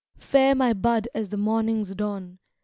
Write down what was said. Fair my bud as the morning's dawn.